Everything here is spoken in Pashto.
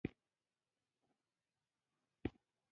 چیغې یې وهلې: دا ده د باران ورېځه!